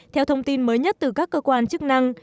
theo thông tin mới nhất từ các cơ quan chức năng